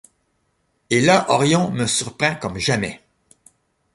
Et là Orion me surprend comme jamais.